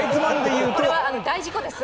これは大事故です。